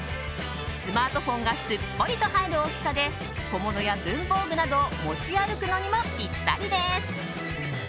スマートフォンがすっぽりと入る大きさで小物や文房具などを持ち歩くのにもぴったりです。